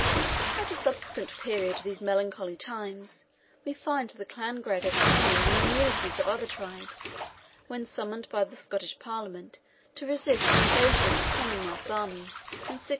At a subsequent period of these melancholy times, we find the clan Gregor claiming the immunities of other tribes, when summoned by the Scottish Parliament to resist the invasion of the Commonwealth's army, in 1651.